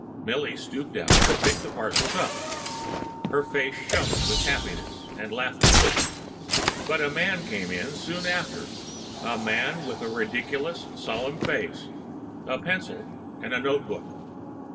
Milly stooped down and picked the parcels up. Her face shone with happiness and laughter.... But a man came in soon after, a man with a ridiculous, solemn face, a pencil, and a notebook.